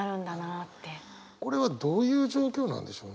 これはどういう状況なんでしょうね。